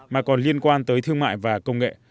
mà còn liên quan tới thương mại và công nghệ